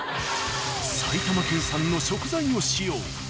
埼玉県産の食材を使用。